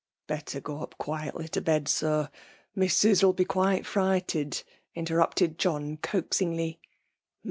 243 " Better go up quoitly to bed, Surr : Missus '11 be quoite froighted," interrupted John, ooaxingly.